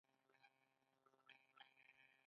دا د هندیانو استعداد ښيي.